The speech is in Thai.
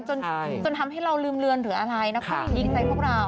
จนทำให้เราลืมเลือนถึงอะไรนะความดีใจพวกเรา